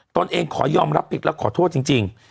ตนเองขอยอมรับผิดและขอโทษจริง